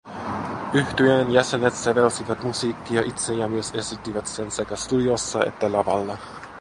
Yhtyeen jäsenet sävelsivät musiikkia itse ja myös esittivät sen sekä studiossa että lavalla